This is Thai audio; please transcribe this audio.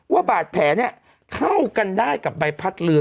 ว่าบาดแผลเนี่ยเข้ากันได้กับใบพัดเรือ